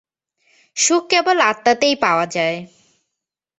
সুখ কেবল আত্মাতেই পাওয়া যায়।